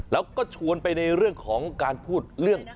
แล้วก็ชวนไปในเรื่องของการพูดเรื่อง